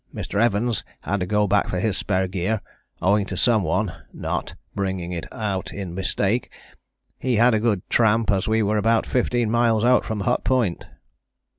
Mr. Evans had to go back for his spare gear owing to some one [not] bringing it out in mistake; he had a good tramp as we were about 15 miles out from Hut Point.